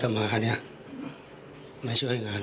ฝ่ายกรเหตุ๗๖ฝ่ายมรณภาพกันแล้ว